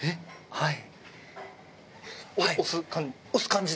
はい。